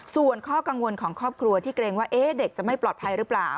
ส่วนข้อกังวลของครอบครัวที่เกรงว่าเด็กจะไม่ปลอดภัยหรือเปล่า